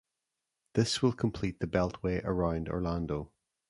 This will complete the beltway around Orlando.